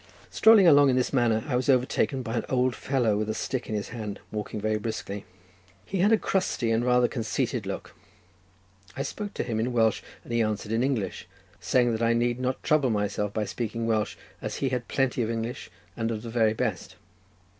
Strolling along in this manner, I was overtaken by an old fellow with a stick in his hand, walking very briskly. He had a crusty, and rather conceited look. I spoke to him in Welsh, and he answered in English, saying, that I need not trouble myself by speaking Welsh, as he had plenty of English, and of the very best.